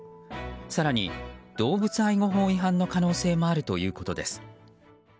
更に動物愛護法違反の可能性もあるということです。